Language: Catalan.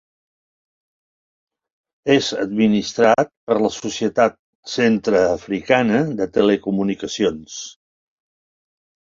És administrat per la Societat Centreafricana de Telecomunicacions.